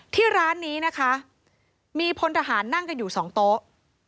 ที่ร้านนี้นะคะมีพลทหารนั่งกันอยู่สองโต๊ะ